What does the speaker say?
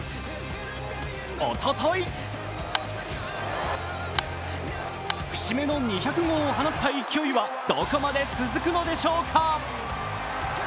おととい節目の２００号を放った勢いはどこまで続くのでしょうか。